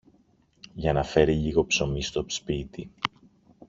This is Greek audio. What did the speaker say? για να φέρει λίγο ψωμί στο σπίτι.